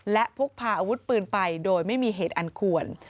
และพกพาอาวุธปืนไปโดยไม่มีเหตุอันควร